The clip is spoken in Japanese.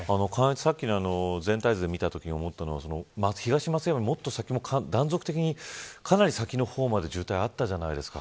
さっきの全体図で見たときに思ったのは東松山より、もっと先は断続的にかなり先の方まで渋滞があったじゃないですか。